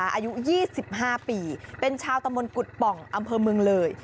อายุ๒๕ปีเป็นชาวตะมนตกุฎป่องอำเภอเมืองเลย